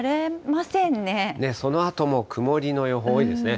そのあとも曇りの予報多いですね。